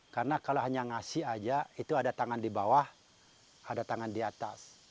karena kalau hanya ngasih aja itu ada tangan di bawah ada tangan di atas